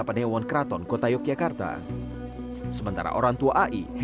masih ketemu sore tak wa sudah tidak aktif